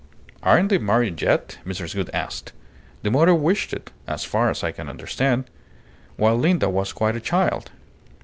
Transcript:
"Aren't they married yet?" Mrs. Gould asked. "The mother wished it, as far as I can understand, while Linda was yet quite a child.